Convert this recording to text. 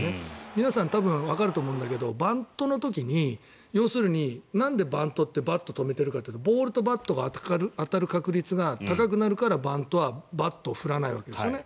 皆さん多分わかると思うんだけどバントの時に要するになんでバントってバットを止めているかというとボールとバットが当たる確率が高くなるからバントはバットを振らないわけですよね。